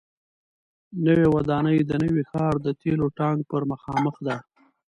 نوې ودانۍ د نوي ښار د تیلو ټانک پر مخامخ ده.